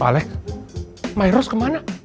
pak alex mairos kemana